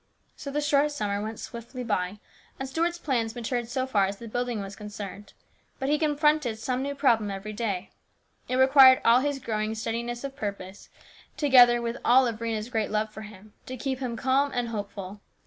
So the short summer went swiftly by, and Stuart's plans matured so far as the building was concerned, but he confronted some new problem every day. It required all his growing steadiness of purpose, to 310 HIS BROTHER'S KEEPER. gether with all of Rhena's great love for him, to keep him calm and hopeful.